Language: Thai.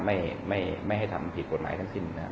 ไม่ไม่ให้ทำผิดกฎหมายทั้งสิ้นนะครับ